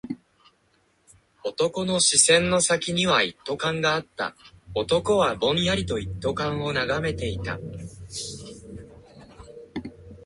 男の視線の先には一斗缶があった。男はぼんやりと一斗缶を眺めていた。